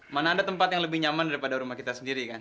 mana ada tempat yang lebih nyaman daripada rumah kita sendiri kan